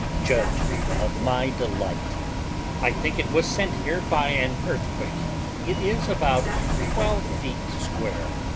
Judge of my delight. I think it was sent here by an earthquake. It is about twelve feet square.